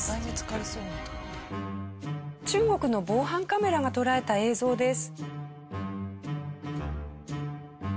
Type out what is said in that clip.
中国の防犯カメラが捉えた映像です。